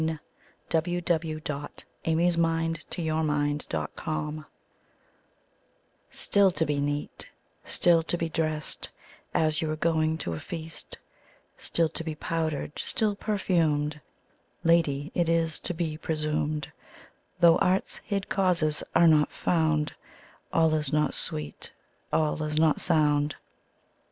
Ben Jonson. 1573–1637 186. Simplex Munditiis STILL to be neat, still to be drest, As you were going to a feast; Still to be powder'd, still perfumed: Lady, it is to be presumed, Though art's hid causes are not found, 5 All is not sweet, all is not sound.